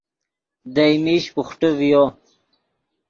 دئے میش بوخٹے ڤیو